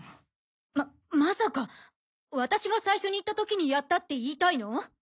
ままさか私が最初に行った時にやったって言いたいの？